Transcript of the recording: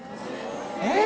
えっ？